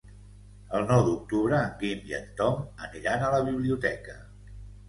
El nou d'octubre en Guim i en Tom aniran a la biblioteca.